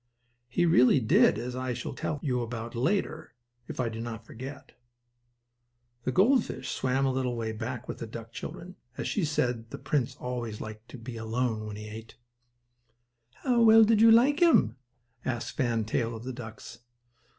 He really did, as I shall tell you about later, if I do not forget it. The gold fish swam a little way back with the duck children, as she said the prince always liked to be alone when he ate. "Well, how did you like him?" asked Fan Tail of the ducks.